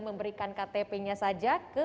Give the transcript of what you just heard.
memberikan ktp nya saja ke